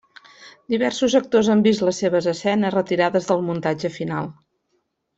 Diversos actors han vist les seves escenes retirades del muntatge final.